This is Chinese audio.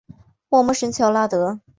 瓦莫什乔拉德。